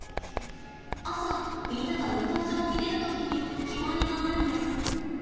朝みんなが運動場に出る時に決まりがあるんです。